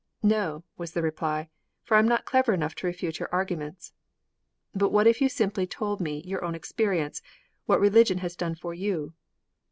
"No," was the reply, "for I am not clever enough to refute your arguments." "But what if you simply told me your own experience what religion has done for you?"